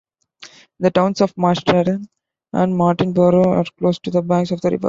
The towns of Masterton and Martinborough are close to the banks of the river.